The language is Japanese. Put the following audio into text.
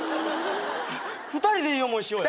２人でいい思いしようや。